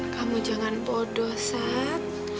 kamu jangan bodoh sat